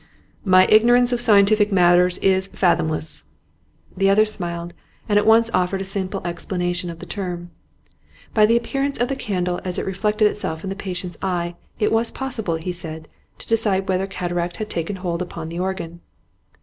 'My ignorance of scientific matters is fathomless.' The other smiled, and at once offered a simple explanation of the term. By the appearance of the candle as it reflected itself in the patient's eye it was possible, he said, to decide whether cataract had taken hold upon the organ.